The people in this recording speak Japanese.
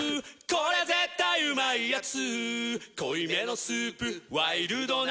これ絶対うまいやつ」